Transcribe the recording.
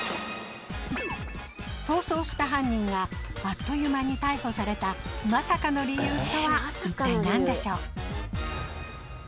逃走した犯人があっという間に逮捕されたまさかの理由とは一体なんでしょう？